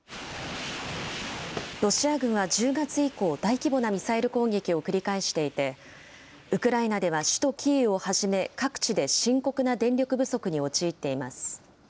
ロシア軍は１０月以降、大規模なミサイル攻撃を繰り返していて、ウクライナでは首都キーウをはじめ、各地で深刻な電力不足に陥っています。